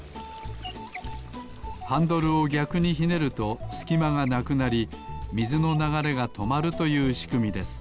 ハンドルをぎゃくにひねるとすきまがなくなりみずのながれがとまるというしくみです